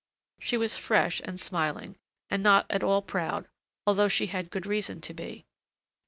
She was fresh and smiling, and not at all proud, although she had good reason to be.